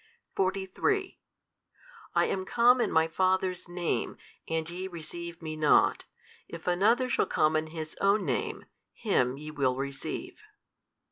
43 I am come in My Father's Name, and ye receive Me not: if another shall come in his own name, him ye will receive.